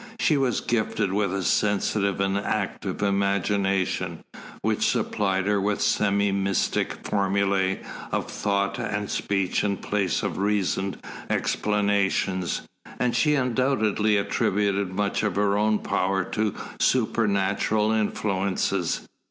She was gifted with a sensitive and active imagination, which supplied her with semi mystic formulae of thought and speech in place of reasoned explanations, and she undoubtedly attributed much of her own power to supernatural influences.